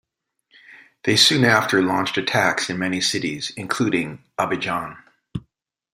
They soon after launched attacks in many cities, including Abidjan.